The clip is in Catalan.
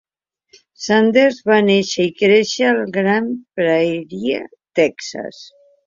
Sanders va néixer i créixer a Grand Prairie, Texas.